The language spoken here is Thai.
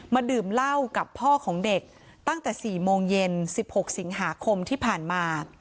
ดื่มเหล้ากับพ่อของเด็กตั้งแต่๔โมงเย็น๑๖สิงหาคมที่ผ่านมา